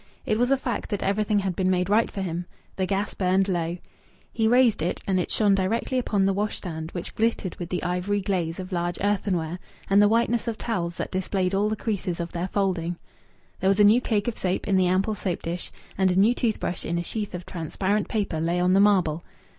It was a fact that everything had been made right for him. The gas burned low. He raised it, and it shone directly upon the washstand, which glittered with the ivory glaze of large earthenware, and the whiteness of towels that displayed all the creases of their folding. There was a new cake of soap in the ample soap dish, and a new tooth brush in a sheath of transparent paper lay on the marble.